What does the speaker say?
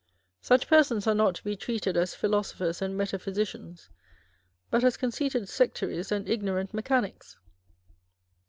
Such persons are not to be treated as philosophers and metaphysicians, but as conceited sectaries and ignorant mechanics.